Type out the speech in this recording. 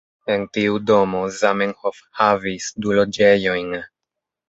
En tiu domo Zamenhof havis du loĝejojn.